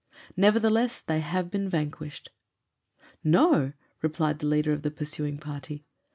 "Nevertheless, they have been vanquished." "No," replied the leader of the pursuing party.